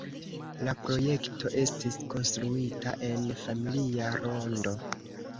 La projekto estis konstruita en familia rondo.